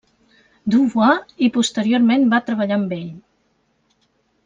Du Bois i posteriorment va treballar amb ell.